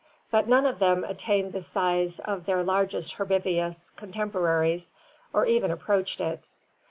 But none of them attained the size of their largest herbivorous contemporaries, or even approached it.